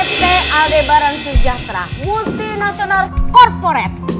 pt aldebaran sejahtera multinasional corporate